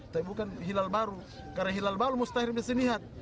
tapi bukan hilal baru karena hilal baru mustahil disinihat